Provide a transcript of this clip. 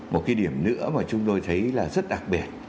một cái điểm nữa mà chúng tôi thấy là rất đặc biệt